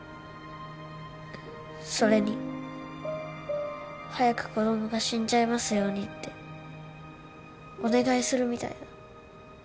それに早く子供が死んじゃいますようにってお願いするみたいだ。